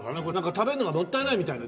食べるのがもったいないみたいな。